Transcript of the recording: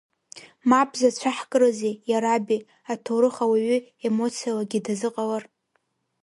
Мап зацәаҳкрызеи, иараби, аҭоурых ауаҩы емоциалагьы дазыҟалар.